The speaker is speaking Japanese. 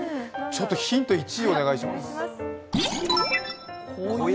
ヒント１をお願いします。